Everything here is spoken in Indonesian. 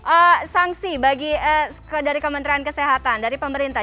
eee sangsi bagi dari kementerian kesehatan dari pemerintah